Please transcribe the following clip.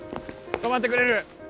止まってくれる？